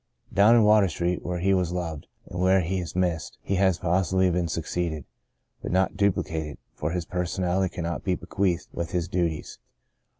Down in Water Street, where he was loved, and where he is missed, he has pos sibly been succeeded, but not duplicated, for his personality could not be bequeathed with his duties.